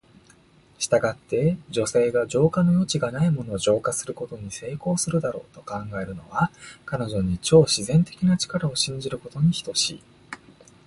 したがって、女性が浄化の余地がないものを浄化することに成功するだろうと考えるのは、彼女に超自然的な力を信じることに等しい。